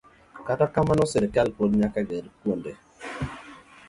Kata kamano, sirkal pod nyaka ger kuonde